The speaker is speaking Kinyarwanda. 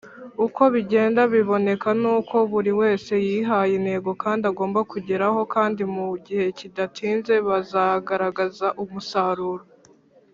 uko bigenda biboneka nuko buri wese yihaye intego kandi agomba kugeraho kandi mu gihe kidatinze bazagaragaza umusaruro.